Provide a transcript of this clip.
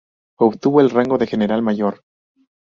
Obtuvo el rango de general-mayor.